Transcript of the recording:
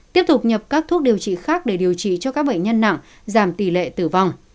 tiếp tục nhập các thuốc điều trị khác để điều trị cho các bệnh nhân nặng giảm tỷ lệ tử vong